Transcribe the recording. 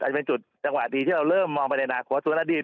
อันเป็นจุดจังหวะดีที่เราเริ่มมองไปในหน้าขวาส่วนละดีน